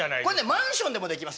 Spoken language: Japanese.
マンションでもできます。